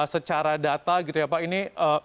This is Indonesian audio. secara data ini